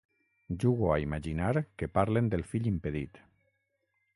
Jugo a imaginar que parlen del fill impedit.